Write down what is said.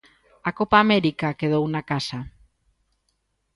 A Copa América quedou na casa.